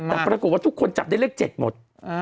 แต่ปรากฏว่าทุกคนจับได้เลข๗หมด